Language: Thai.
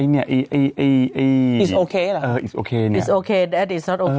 มีทางแอด